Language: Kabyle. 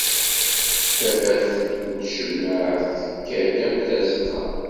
Tafat n tacemmaɛt tekka-d akk tazeqqa.